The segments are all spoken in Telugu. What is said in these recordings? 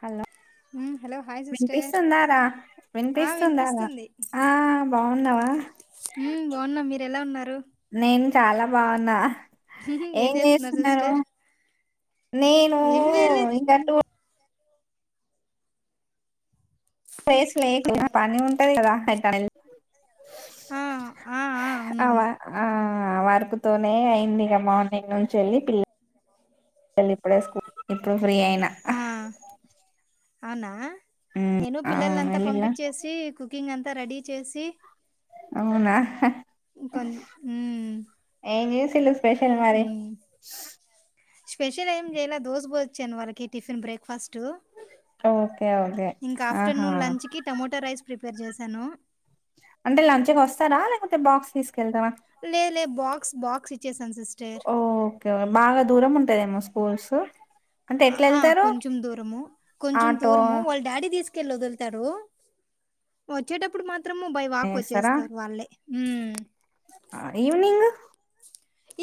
హలో హ్మ్ హలో హాయ్ సిస్టర్ వినిపిస్తుందారా ఆ వినిపిస్తుందారా వినిపిస్తుంది ఆ బాగున్నావా హ్మ్ బాగున్నాం మీరు ఎలా ఉన్నారు నేన్ చాలా బావున్నా ఏం చేస్తున్నారు నేను ఏం చేయలేదు ఇంక టూ పేస్ లేకు పని ఉంటది కదా ఆ ఆ ఆ అ అవునవును ఆ వర్క్తోనే అయింది ఇక మార్నింగ్ నుంచి వెళ్ళి పిల్లళ ఇప్పుడే స్కూల్ ఇప్పుడు ఫ్రీ అయినా ఆ అవునా ఉమ్ నేను అవును పిల్లల్నంతా వెళ్ళిలా పంపిచ్చేసి కుకింగ్ అం తా రెడీ చేసి అవునా కొం హ్మ్ ఏమ్ జేసిల్లు స్పెషల్ మరి హ్మ్ స్పెషల్ ఏం జెయలా దోశ బోచ్చాను వాళ్ళకి టిఫిన్ బ్రేక్ఫాస్ ఓకే ఓకే ఇంకా ఆహా ఆఫ్టర్నూన్ లంచ్ కి టమోటా రైస్ ప్రిపేర్ చేశాను అంటే లంచకి వస్తారా లేకపోతే బాక్స్ తీస్ లేద్ లే బాక్స్ బాక్స్ ఇచ్చే ఓఓకే బాగా దూరం ఉంటుద ఏమోస్తు కోసో ఆ కొంచం దూరము కొంచెం ఆటో దూరము వాళ్ళ డాడీ తీసుకు కెళ్ళి వదులుతారు వచ్చేటప్పుడు మాత్రం మాత్రము బై వాక్ వేస్తారా వచ్చేస్తారు వాళ్ళే ఉ ఈవినింగ్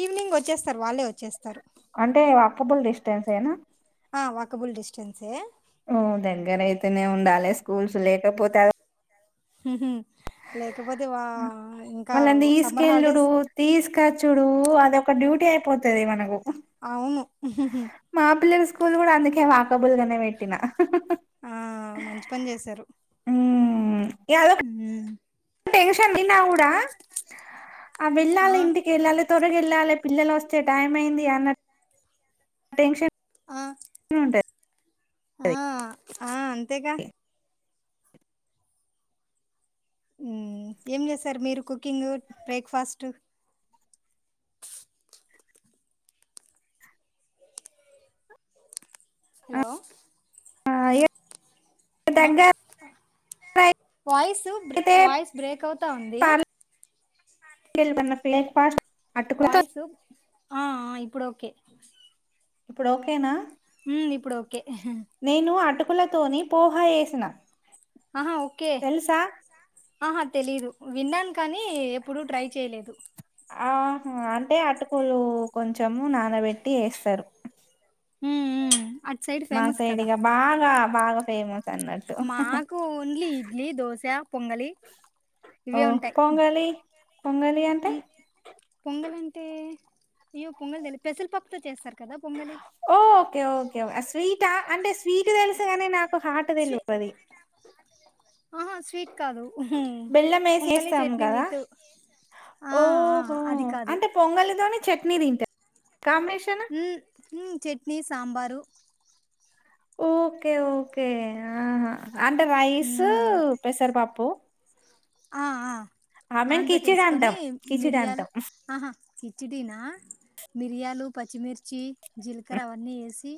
ఈవినింగ్ వచ్చేస్తారు వాళ్ళే వచ్చేస్తారు అంటే వకబుల్ డిస్టెన్స్ ఏనా ఆ వాకబుల్ డిస్టెన్స్ ఏ ఓ దగ్గర అయితేనే ఉండాలి స్కూల్స్ లేకపోతే హ్మ్మ్ లేకపోతే వా ఇంకా వాళ్ళని సమ్మర్ తీసుకెళ్ళడు హాలిడేస్ తీసుకచ్చుడు అది ఒక డ్యూటీ అయిపోతది మనకు అవును హుహుహు. మా పిల్లల స్కూల్ కూడా అందుకే వా కబుల్గానే పెట్టినా ఆ మంచి పని చేశారు హ్మ్మ్ ఎద అ టెన్షన్ దీనా కూడా ఆ వెళ్ళాలి ఇంటికి వెళ్ళాలి తొరగిెళ్ళాలే పిల్లలు వస్తే టైం అయింది అన్నట్ టెన్షన్ ఆ ఉంటది ఆ ఆ అంతేగా ఏం చేస్తారు మీరు కుకింగ్ బ్రేక్ఫాస్ట్ హలో ఆ అయ వాయిస్ వాయిస్ బ్రేక్ అవుతా ఉంది ప్లే ఫస్ [unintelligible] వయిసు ఆ ఇప్పుడు ఓకే ఇప్పుడు ఓకేనా ఉ ఇప్పుడు ఓకే నేను అటు అటుకులతోని పోహ వేసిన ఆహా ఓకే తెలుసా ఆహా తెలీదు విన్నాను కానీ ఎప్పుడుూ ట్రై చేయలేదు ఆహా అంటే అటుకులు కొంచము నానబెట్టి ఏస్తరు. హ్మ్ మాసైడిగా బాగా బాగా ఫేమస్ అన్నట్టు మాకు ఓన్లీ, ఇడ్లీ, దోశ పొంగలి ఓ ఇవే ఉంటయి. పొంగలి పొంగలి అంటే పొంగల్ అంటే అయ్యో పొంగలు తెలిదు, పెసలు పప్పుతో చేస్తరు. ఓ ఓకే ఓకే స్వీటా, అంటే స్వీ స్వీట్ తెలుసుగనని నాక్ కు హటు స్వీ తెలువది ఆహా స్వీట్ కాదు బెల్లం ఏసి పొంగలి చేస్తాం చట్నీ గదా! విత్, ఆ ఓహో! అది కాదు. అంటే పొంగలితోని చట్నీ తింట హ్మ్ హ్మ్ చట్నీ సాంబారు. ఓకే ఓకే ఆహా అంటే రైస్ మ్మ్ పెసరిపాప్పు. ఆ ఆ కిచిడి నానపెట్టేసుకొని అంటాం. కిచిడి మిరియాలు అంటాం. ఆహా కిచిడినా, మిరియాలు, పచ్చిమిర్చి, జీలకర అవన్నీ వేసి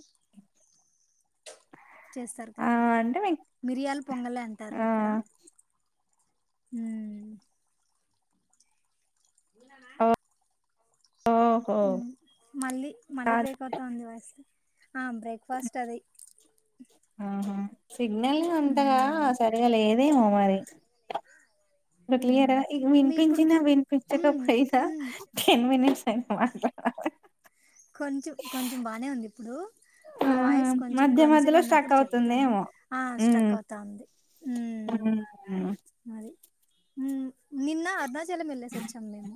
చేస్తారు ఆ! కదా అది, అంటే మేం మిరియాల పొంగలే అంటారు ఆ! ఇక్కడ. హ్మ్ ఆ మళ్ళీ మళ్ళీ కాదు. బ్రేక్ అవుతుంది వాయిస్ ఆ బేక్ఫస్ట్ అది ఆహా సిగ్నల్ని అంతగా మ్మ్ సరిగా లేదేమో మరి. బ మ్మ్ క్లియరా మీ ఇప్పుడు విన్పించి మ్మ్ వినిపించకపోయిన మ్మ్ టెన్ మనిట్స్ ఇపోవాలె కొంచెం కొంచెం బానే ఉంది ఇప్పుడు, నా ఆహా వాయిస్ కొంచెం మధ్య క్లంజీగా మధ్యలో ఉన్నప్పుడు స్ట్రక్ చెప్తాను, అవుతుందేమో ఆ ఉమ్ స్ట్రక్ అవుతా ఉంది. ఉమ్ ఉమ్ అది ఉమ్ నిన్న అరుణాచలమెల్లే సచ్ చం మేము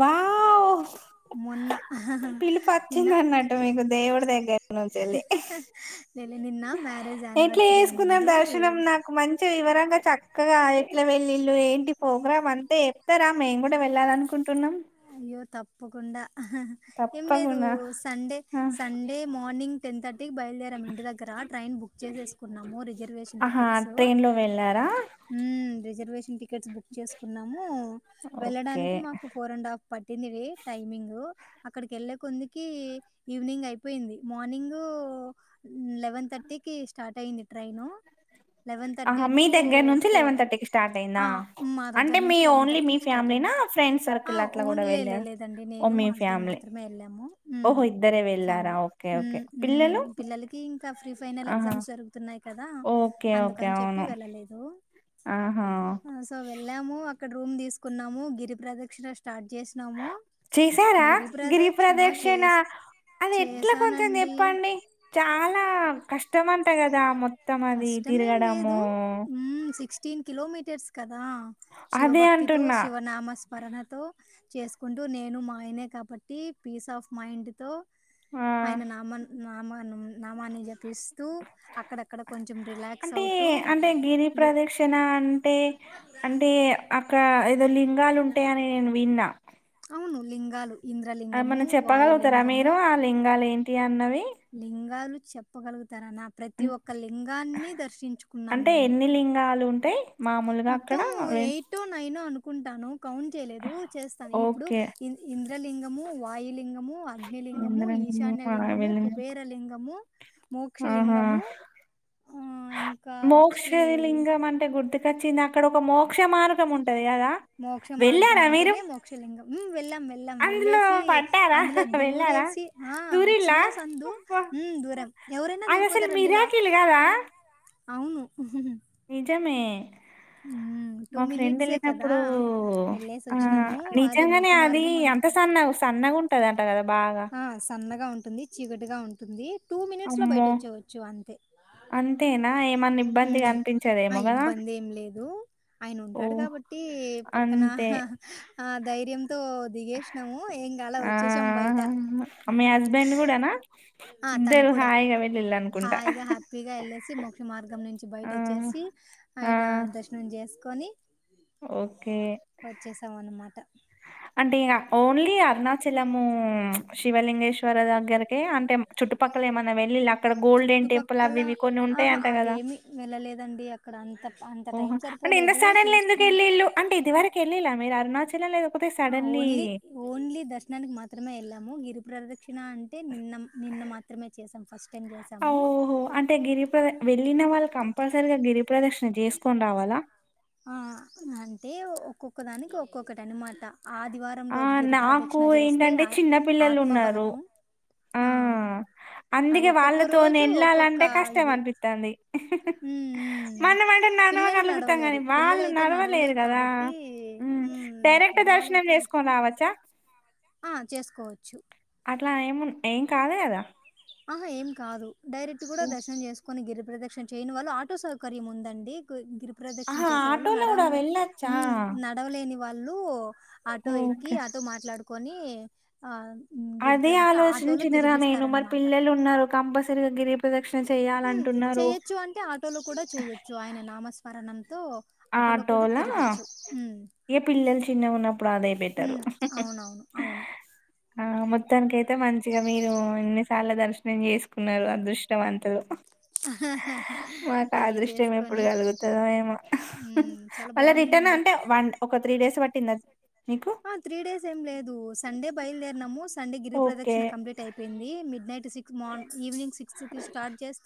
వావ్ మొన్నా పిలుపు నిన్న వచ్చింది అన్నట్టు మీకు దేవుడి దగ్గర నుంచి వెళ్ళి లేలే నిన్న మ్యారేజ్ ఎట్లా యానివర్సరీ చేసుకున్నారు ఉన్నింది దర్శనం నాకు మంచి వివరంగా చక్కగా ఎట్లా వెళ్ వీళ్ళు ఏంటి ప్రోగ్రామ్ అంతే చెప్తారా మేము కూడా వెళ్ళాలి అనుకుంటున్నాం అయ్యో తప్పకుండా ఆహా ఏం లేదు, తప్పకుండా సండే ఆ, సండే మార్నింగ్ టెంతట్టి ఇ బయలుదేరాము ఇంటి దగ్గర ట్రైన్ బుక్ చేేసుకున్నాము రిజర్వేషన్ ఆహా టికెట్స్, ట్రైన్ లో వెళ్ళారా ఉమ్ రిజర్వేషన్ టికెట్ టికెట్స్ బుక్ చేసుకున్నాము ఓకే వెళ్ళడానికి మాకు ఫోర్ అండ్ హాఫ్ పట్టిందిడి టైమింగ్ అక్కడికి వెళ్ళే కొందుకి ఈవినింగ్ అయిపోయింది మార్నింగ్ లెవెన్ థర్టీకి స్టార్ట్ అయింది ట్రైను ఆహా మీ దగ్గర నుంచి లెవెన్ థర్టీకి స్టార్ట్ అయిందా ఆ! మా దగ్గర అంటే మీ నుంచి ఓన్లీ మీ స్టార్ట్ ఫ్యామిలీ అయింది. నా ఫ్రెండ్ ఆ! సర్కిల్ అట్లా ఓన్ కూడా లే వెళ్ళారా లేదండి ఓ నేను మీ మా హస్బెండ్ ఫ్యామిలీ మాత్రమే వెళ్ళాము ఓహో ఇద్దరే వెళ్ళారా ఫ్యామిలీ ఓకే ఓకే పిల్లలు పిల్లలకి ఇంకా ప్రీ ఫైనల్ ఆహా ఎగ్జామ్స్ జరుగుతున్నాయి కదా ఓకే ఓకే అందుకని చెప్పి అవును వెళ్ళలేదు ఆహా సో వెళ్ళాము ఇక్కడ రూమ్ తీసుకున్నాము గిరి ప్రదక్షిణ స్టార్ట్ చేసినాము. చేసారా గిరి ప్రదక్షిణ ప్ర్రదక్షిణ చేసా అది ఎట్లా కొంచెం చేశానండి. చెప్పండి చాలా కష్టమ అంటా కదా మొత్తం అది తిరగడము తటీన్ కలోమీటర్స్ కద అదే శివభక్తితో అంటున్నా శివనామస్ పరణతో చేసుకుంటూ నేను మాయనే కాబట్టి పీస్ ఆఫ్ మైండ్ తో ఆ ఆయన నామన్ నామను నామాని లే రిలాక్స్ అంటే అవుతూ అంటే గిరి లి ప్రదక్షిణ అంటే అంటే అక్కడ ఏదో లింగాలు ఉంటాయ అని నేను విన్నా అవును లింగాలు ఆ మన ఇంద్రలింగము, చెప్పగలుగుతారా మీరు వాయులింగము ఆ లింగాలు ఏంటి అన్నవి లింగాలు చెప్పగలుగుత తర నా ప్రతి ఒక్క లింగాన్ని దర్శించుకున్నాం మేము అంతే మామూలుగా అక్కడ కుంటాను కౌంట్ చేయలేదు చేస్తాను ఇప్పుడు ఓకే లింగము వయు లింగం ము అగ్నిలింగము ఇంద్రలింగం ఈశాన్యలింగము వాయులింగం. కుబేర లింగము మోక్ష లింగము ఆ మోక్షదిలింగం అంటే గుర్తు వచ్చింది అక్కడ ఒక మోక్ష మార్గం ఉం మోక్ష మార్గం అంటేనే మోక్షలింగం వెళ్ళాం వెళ్ళాం అందులో వెళ్ళేసి పడ్డారా అందులో వెళ్ళారా దూరేసి ఆ దూరిల్లా చిన్న సందు అబ్బా. దూరం ఎవరైనా అది అసలు దూరిపోతారంండి ఇలా మిరాకిల్ కదా అవును నిజమే హ్మ్. మా ఫ్రెండ్ మినిట్సే కదా! వెళ్ళినప్పుడు ఆ వెళ్ళేసొచ్చినాము. అది నిజంగానే మోక్ష అది మార్గం అంత అనేది సన్న సన్నగా ఉంటది అంట కదా బాగా ఆ సన్నగా ఉంటుంది చీకటిగా ఉంటుంది టూ మినిట్స్ లో బయట అమ్మో వచ్చేయవచ్చు అంతే అంతేనా ఏమన్నా ఇబ్బందిగా హ్మ్ ఆ అనిపించదేమో కదా ఇబ్బంది ఏం లేదు ఆయన ఓ ఉంటాడు కాబట్టి పక్కన అంతే ఆ ధైర్యంతో దిగేసినాము ఏం గాల ఆ వచ్చేసాము బయట మీ హస్బెండ్ కూడానా ఆ తను ఇద్దరు కూడా హాయిగా వెళ్ళిళ్ళు అనుకుంటా హాయిగా హ్యాపీగా వెళ్ళేసి మోక్ష మార్గం నుంచి బయట ఆ వచ్చేసి ఆ ఆయన దర్శనం చేస్ కొని ఓకే వచ్చేసాం అన్నమాట అంటే ఇగ ఓన్లీ అరుణాచలము శివలిం మునేశ్వరా దగ్గరక అంటే చుట్టుపక్కల ఏమన్నా వెళ్ళిళ అక్కడ గోల్డెన్ టెంపుల్ చుట్టుపక్కల అవి ఇవి కొన్ని ఉంటాయి ఆహా అంట కదా అవేమి వెళ్ళలేదండి అక్కడ అంత అంత టైం ఓహో అంటే ఇంత సరిపోలేదు సడన్ గా ఎందుకు చూసుకుని ఏలిళ్ళు అంటే ఇది వరకు ఏలిల్లా మీరు అరుణాచ ఎల్లలేదా ఆ ఓన్లీ ఓన్లీ దర్శననికి మాత్రమే ఎలాము గిరి ప్రదక్షిణ అంటే నిన్న నిన్న మాత్రమే చేసాం ఫస్ట్ టైం చేసాము ఓహో అంటే గిరిప్ర వెళ్ళిన వాళ్ళు కంపల్స [unintelligible] గిరిప్రదశ్ చేసుకుని రావాలా ఒక్కదానికి ఒక్కొక్కటి అనమాట ఆదివారం ఆ! రోజు నాకు గిరిప్రదక్షిణ చేస్తే ఏంటంటే ఆ చిన్న పిల్లలున్నారు. ఆత్మబలము ఆ! ఆ అందుకే ఒక్కొక్క వాళ్ళతోని రోజు ఒక్కొక్క ఎళ్ళాలంటే కష్టం ఇది అనిపిత్తంది. హ్మ్ హ్మ్ మనం అంటే పిల్లలు నడవగలుగుతాం నడవలేరు గానీ, వాళ్ళు పిల్లలయితే నడవలేరు గదా! కాబట్టి హ్మ్ పెద్దవాళ్ళయితే కొనావచ్చా ఆ చేసుకోవచ్చు అట్లా ఏమున్ ఏం కాదు కదా ఆహా ఏం కాదు డైరెక్ట్ కూడా దర్శం చేసు కొన్ని గిరిప్రదక్షిణ చేయని వల్ల ఆటో సౌకర్యం ఉందండి గరి ప్రదక్షిన్ అహా! చేసేవాళ్ళు ఆటోలో గూడా నడవన్ వె వెళ్ళొచ్చా? హుమ్ నడవలేని వాళ్ళు ఆటో ఎక్కి ఓకే. ఆటో మాట్లాడు కొని ఆ అదే ఆలోచించినారా నేను మరి పిల్లలు ఉన్నారు కంపల్సరిగా గిరిప్రాధాక్ష మ్ చెయొచ్చు అంటే ఆటోలో కూడా చెయ్యొచ్చు ఆయన నామస్మరణం ఆటోలా హ్మ్. ఇగ పిల్లలు చిన్నగ ఉన్నప్పుడు అదే బెటరు హ్మ్. అవునవును. అవును. ఆ మొత్తానికై తే మంచిగా మీరు ఇన్ చాలా దర్శనం చేసుకున్నారు అదృష్టవంతులు మాకు ఆ పెళ్ళి అదృష్టం ఎప్పుడు చేసుకొని కలుగుతదో ఏమో హ్మ్ చాలా మళ్ళా రిటర్న్ బాగునిందండి అంటే వన్ ఒక త్రీ డేస్ పట్టిందా మీకు హా త్రీ డేస్ ఏం లేదు సండే బయలుదేరినాము స్ సండే గిరి ఓకే ప్రదక్షిణ కంప్లీట్ అయిపోయింది. మిడ్ నైట్ సిక్స్ మార్న్ ఈవవినింగ్ స్ సిక్స్కి స్టార్ట్ చేస్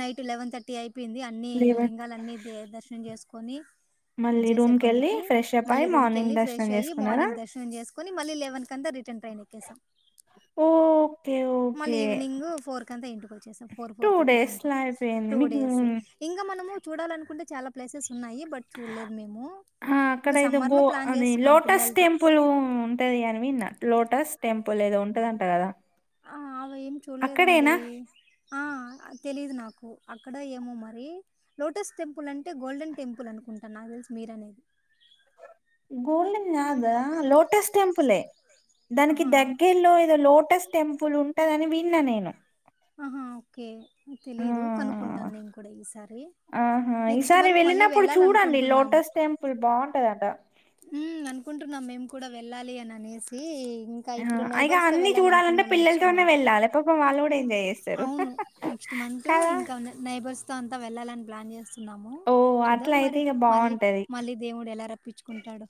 నైట్ లెవన్ థర్టీ అయి పోయింది అన్ని లెవెన్ లింగాలన్నీ దే దర్శనం చేస్ కొని మళ్ళీ విజేసే రూమ్ కెళ్ళి కొందుకి ఫ్రెష్ అప్ మళ్ళీ అయి రూమ్ మార్నింగ్ కెళ్ళి, ఫ్రెష్ దర్శనం అయ్యి చేసుకున్నారా మార్నింగ్ దర్శనం చేసుకొని మళ్ళీ లెవ్ వన్ కి అంత రిటర్న్ ట్రైన్ ఎక్కేసాం ఓకే మళ్ళీ ఓకే ఈవినింగ్ ఫోర్ కంత ఇంటికి వచ్చేసాం four two four three days ఇదంతా లో అయిపోయింది టూ మీకు డేస్ ఇంగ మనము చూడాలనుకుంటే చాల ప్లేసెస్ ఉన్నాయి బట్ చూడలేదు మేము హా అక్కడ ఇంకా ఏదో గో సమ్మర్లో ప్లాన్ అది చేస్తున్నాం లోటస్ పిల్లలతో టెంపుల్ ఉంటంది అని విన్న లోటస్ టెం పుల్ ఏదో ఉంటదంట కదా ఆ అవ్ అలా ఏం చూడలేదండి అక్కడేనా ఆ తెలీదు నాక్ అక్కడ ఏమో మరి లోటస్ టెంపుల్ అంటే, గోల్డెన్ టెంపుల్ అనుకుంటా నాకు తెలిసి మీరు అనేది గోల్డెన్ గాద లోటస్ టెంపులే దానికి ఆహా దగ్గర్లో ఏదో లోటస్ టెంపుల్ ఉంటదని విన్నా నేను ఆహా ఓకే ఆ తెలీదు కనుక్కుంటాను నేను కూడా ఈసార్ ఆహా, ఈసారి వెళ్ళినప్పుడు చూడండి, వెళ్ళాలనుకుంటున్నాము లోటస్ టెంపుల్ బాగుంటదంట. కుంటున్నాం మేము కూడా, వెళ్ళాలి అని అనేసి. ఆ హా అయిగా అన్నీ చూడాలంటే పిల్లల నెక్స్ట్ తోనే మంత్. వెళ్ళాలే పాపమ్ వాళ్ అవును నెక్స్ట్ మంత్ కదా ఇంకా ఉన్నాయి నై బర్స్తో అంతా వెళ్ళాలని ప్లాన్ చేస్ స్తున్నాము ఓ చూద్దాం అట్లా అయితే మరి, ఇక మళ్ళీ బాగుంటది మళ్ళీ దేవుడు ఎలా రప్పించుకుంటాడో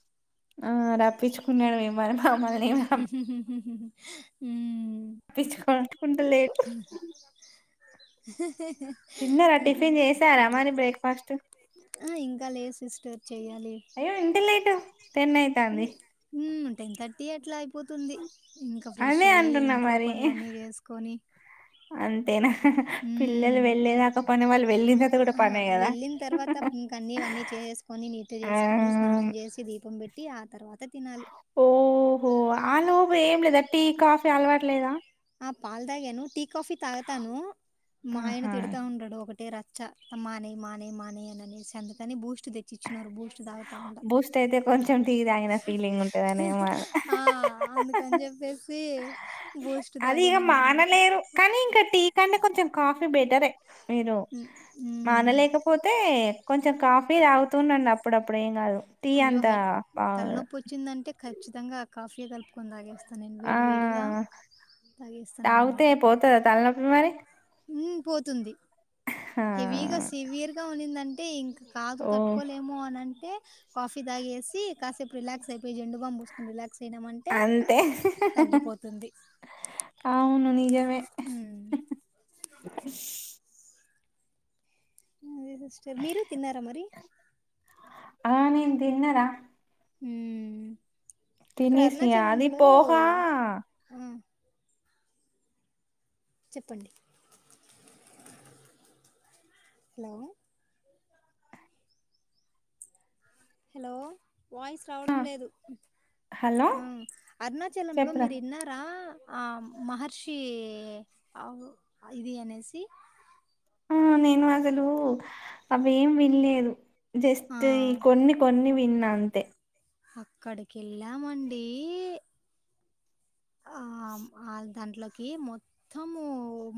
ఆ రప్పించుకున్నాడు మిమ్మల్ని మమ్మల్ని ఏం హ ఉమ్ పిచ్చుకో కుంటలేడు [unintelligible] తిన్నరా? టిఫిన్ చేసారా అది. మరి బ్రేక్ఫాస్ట్? ఆ, ఇంకా లేదు సిస్టర్. చెయ్యాలి. అయ్యో ఇంత లేటు? టెన్ అయితాంది. టెన్ థర్టీ అట్లా, అయిపోతుంది. ఇంక ఫ్రెష్ అదే అయ్యి, అంటున్నా ఇంట్లో మరి పండ్లన్నీ చేసు ది అంతేనా? పిల్లలు వెళ్ళేదాకా పనే, వాళ్ళు వెళ్ళిన తర్వాత కూడా ఆ పనే కదా. వెళ్ళిన తర్వాత ఇంక అన్నీ ఇవన్నీ చేసుకొని నీట్ చేసుకొని స్నానం చేసి దీపం పెట్టి ఆ తర్వాత తినాలి ఓహో ఆ లోపు ఏం లేదు. టీ, కాఫీ అలవాటు లేదా? ఆ పాల్ తాగాను. కాఫీ తాగుతాను, మా ఆయన ఆహా తిడతా ఉంటడు, ఒకటే రాత్ చ మానేయ్, మానేయ్, మానేయ్ అని అనేసి, అందుకని బూస్ట్ తెచ్చి ఇచ్చినారు బూస్. టు తాగుతా ఉంటా. బూస్ట్ అయితే కొంచెం టీ తాగిన ఫీలింగ్ ఉంటదనేమో ఆ అందుకన్ చెప్పేసి బూస్ అది ఇగ మానలేరు, కనీ ఇంక టీ కంటే కొంచెం కాఫ్ బెటరే మీరు, ఉమ్, ఉమ్. మానలేకపోతే? కొంచెం కాఫీ దాగుత్ తుండండి అప్పుడుప్పుడు ఏం కాదు, టీ అయ్యో అంతా హై బాగోద్ తలనొప్పి వచ్చిందంటే ఖచ్చితంగా కాఫీ యే కలుపుకొని తాగేస్ త నేన్ ఆ వేడి వేడిగా తాగితే తాగేస్తానన్నమాట. పోతదా తలనొప్పి మరి ఉహ్ పోతుంది ఆ హెవీగా సివియర్గా ఉన్నిందన్ టీ ఇంక్ కాదు ఓ కట్ ట్టుకోలేము అన్ అంటే కాఫి దాగేసి కాసేపు రిలాక్స్ అయిపోయి, జండు బమ్ బూస్ రిలాక్స్ అంతే తగ్గిపోతుంది. అవును నిజ మే హ్మ్. అదే సిస్టర్ మీరు తిన్నరా మరి ఆ నేను తిన్నరా హ్మ్ అక్కడ తినేసియా అది అరుణాచలంలో పోహా ఆ! చెప్పండి హలో హలో వాయిస్ రావడం ఆ లేదు హలో అరుణాచలంలో చెప్పురా మీరు ఇన్నార ఆ మహర్షి ఆ ఇది అనేసి ఆహా నేను అసలు అవ్వేం విన్లేదు జస్ట్ ఈ ఆ! కొన్ని కొన్ని విన్నా అంతే అక్కడికేళ్ళామండి ఆ ఆ దాంట్లోకి మొత్తము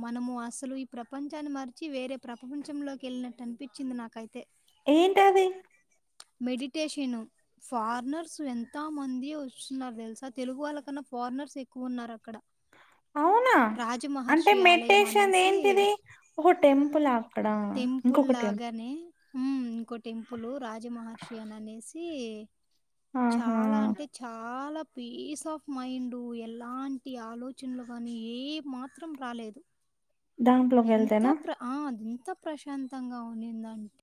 మనము అసలు ఈ ప్రపంచాన్ని మార్చి వేరే ప్రపంచంలోకి ఏళ్ళినట్టు అనిపించింది నాకైతే ఏంటది మెడిటేషన్ ఫారినర్స్ ఎంత మంది వస్తున్నారు తెలుసా తెలుగు వాళ్ళకన్నా ఫారినర్స్ ఎక్కువున్నార అవునా అంటే ఆలయం మెడ్టేషన్ అనేసి ఏంటిది ఓహో టెంపులా అక్కడ ఇంకొక టెంపుల్ ఉహ్ ఇంకో టెంపుల్ రాజ మహర్షిఅనేసి ఆహా చాలా అంటే చాలా పీస్ ఆఫ్ మైండు ఎలాంటి ఆలోచనలు కానీ ఏ మాత్రం రాలేదు దాంట్లోకి ఎంతా వెళ్తేనా ప్ర ఆ అద్ ఎంత ప్రశాంతంగా ఉనిందంటే